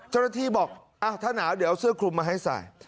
เจ้าหน้าที่บอกถ้าหนาวเดี๋ยวเอาเสื้อคลุมมาให้ใส่